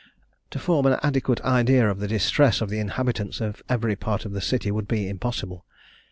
To form an adequate idea of the distress of the inhabitants in every part of the city would be impossible.